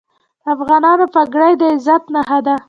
د افغانستان پګړۍ د عزت نښه ده